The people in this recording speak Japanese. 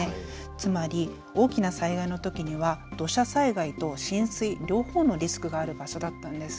つまり大きな災害のときには土砂災害と浸水、両方のリスクがある場所だったんです。